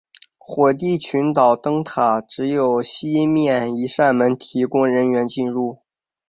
火地群岛灯塔只有西面一扇门提供人员进入。